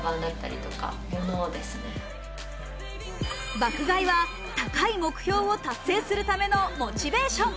爆買いは高い目標を達成するためのモチベーション。